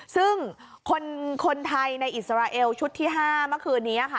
ซึ่งคนไทยในอิสราเอลชุดที่๕เมื่อคืนนี้ค่ะ